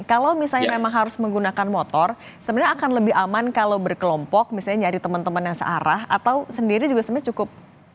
kalau misalnya memang harus menggunakan motor sebenarnya akan lebih aman kalau berkelompok misalnya nyari teman teman yang searah atau sendiri juga sebenarnya cukup